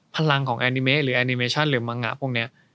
พลังของแอนิเมะหรือแอนิเมชั่นหรือมังงะพวกนี้